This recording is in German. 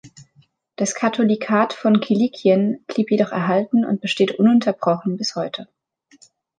Das Katholikat von Kilikien blieb jedoch erhalten und besteht ununterbrochen bis heute.